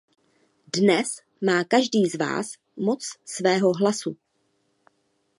Dnes má každý z vás moc svého hlasu.